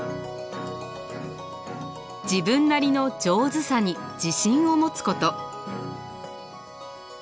自分なりの上手さに自信を持つこと。